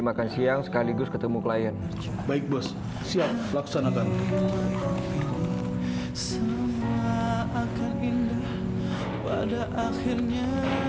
makan siang sekaligus ketemu klien baik bos siap laksanakan agar indah pada akhirnya